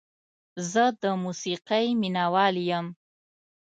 زه د موسیقۍ مینه وال یم.